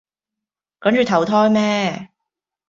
趕住投胎咩